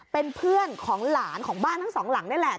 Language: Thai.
เป็นเพื่อนของหลานของบ้านทั้งสองหลังนี่แหละ